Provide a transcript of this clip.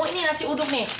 ini nasi uduk nih